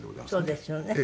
そうですよね。